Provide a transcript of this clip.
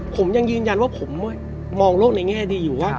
ผมยังยืนยันว่าผมมองโลกในแง่ดีอยู่ว่า